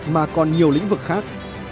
mà còn nhiều lĩnh vực khác